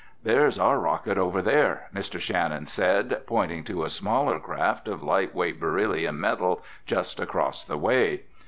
"There's our rocket over there," Mr. Shannon said, pointing to a smaller craft of light weight beryllium metal just across the way.